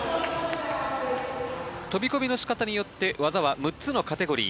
飛込の仕方によって技は６つのカテゴリー。